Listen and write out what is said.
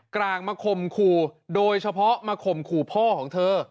กลางมาข่มขู่โดยเฉพาะมาข่มขู่พ่อของเธอ